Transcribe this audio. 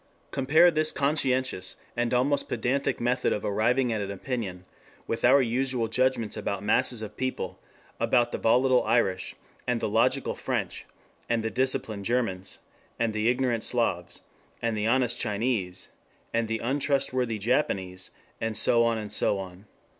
Compare this conscientious and almost pedantic method of arriving at an opinion, with our usual judgments about masses of people, about the volatile Irish, and the logical French, and the disciplined Germans, and the ignorant Slavs, and the honest Chinese, and the untrustworthy Japanese, and so on and so on.